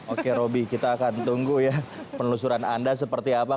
oke roby kita akan tunggu ya penelusuran anda seperti apa